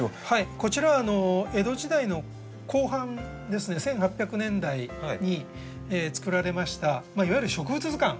こちらは江戸時代の後半ですね１８００年代に作られましたいわゆる植物図鑑。